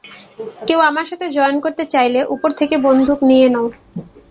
কেউ আমার সাথে জয়েন করতে চাইলে, উপর থেকে বন্দুক নিয়ে নাও।